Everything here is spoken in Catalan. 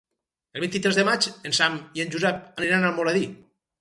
El vint-i-tres de maig en Sam i en Josep aniran a Almoradí.